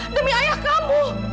demi ayah kamu